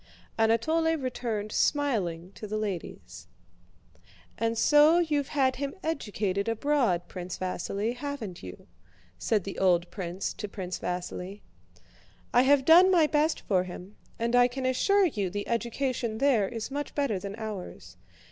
Anatole returned smiling to the ladies. "And so you've had him educated abroad, Prince Vasíli, haven't you?" said the old prince to Prince Vasíli. "I have done my best for him, and I can assure you the education there is much better than ours."